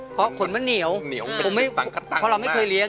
เพราะขนมันเหนียวเพราะเราไม่เคยเลี้ยง